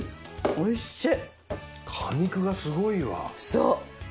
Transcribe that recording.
おいしい！